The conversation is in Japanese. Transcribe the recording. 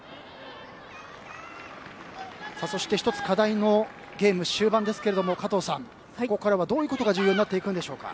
そして１つ課題のゲーム終盤ですが、加藤さんここからはどういうことが重要になっていくんでしょうか。